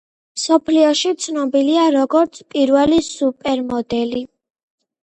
მსოფლიოში ცნობილია როგორც პირველი სუპერმოდელი.